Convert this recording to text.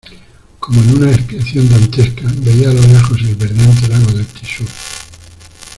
como en una expiación dantesca, veía a lo lejos el verdeante lago del Tixul